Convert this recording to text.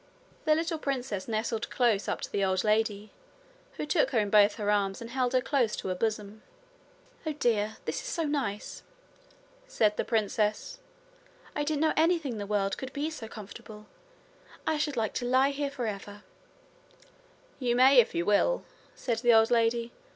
The little princess nestled close up to the old lady, who took her in both her arms and held her close to her bosom. 'Oh, dear! this is so nice!' said the princess. 'I didn't know anything in the world could be so comfortable. I should like to lie here for ever.' 'You may if you will,' said the old lady.